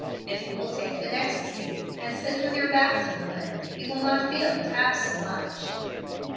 If you will take the next seat, and sit with your back to the wind, you will not feel it half so much."